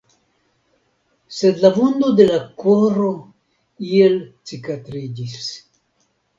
Sed la vundo de la koro iel cikatriĝis.